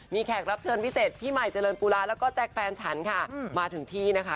มีแขกรับเชิญพิเศษพี่ใหม่เจริญปูระแล้วก็แจ๊คแฟนฉันค่ะมาถึงที่นะคะ